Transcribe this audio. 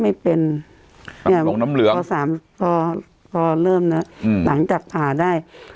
ไม่เป็นเนี่ยลงน้ำเหลืองพอสามพอพอเริ่มนะอืมหลังจากผ่าได้